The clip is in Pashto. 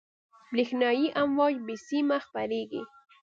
برېښنایي امواج بې سیمه خپرېږي.